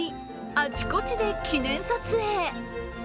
あちこちで記念撮影。